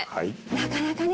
なかなかね